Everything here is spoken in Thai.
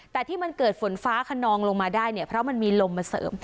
แต่ที่มันเกิดฝนฟ้าขนองลงมาได้เนี่ยเพราะมันมีลมมาเสริม